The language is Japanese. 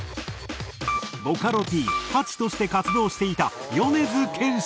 ボカロＰハチとして活動していた米津玄師。